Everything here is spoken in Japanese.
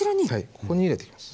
ここに入れてきます。